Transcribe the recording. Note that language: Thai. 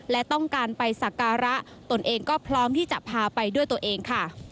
และต้องการไปสักการะตนเองก็พร้อมที่จะพาไปด้วยตัวเองค่ะ